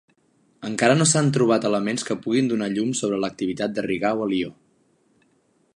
Encara no s'han trobat elements que puguin donar llum sobre l'activitat de Rigau a Lió.